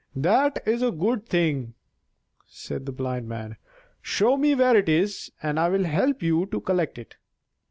"That is a good thing," said the Blind Man. "Show me where it is and I will help you to collect it."